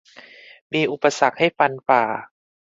มีอุปสรรคให้ฟันฝ่า